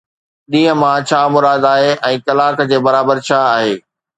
ڏينهن مان ڇا مراد آهي ۽ ڪلاڪ جي برابر ڇا آهي؟